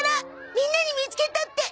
みんなに見つけたって。